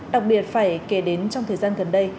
đặc biệt phải kể đến trong thời gian gần đây